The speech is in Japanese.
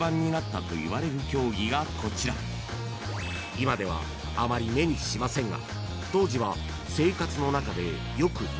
［今ではあまり目にしませんが］